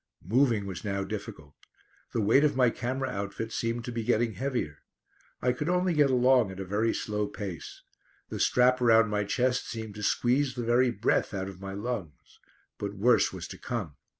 Moving was now difficult. The weight of my camera outfit seemed to be getting heavier. I could only get along at a very slow pace. The strap around my chest seemed to squeeze the very breath out of my lungs. But worse was to come.